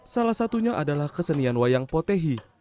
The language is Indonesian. salah satunya adalah kesenian wayang potehi